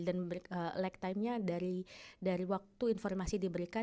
dan lag time nya dari waktu informasi diberikan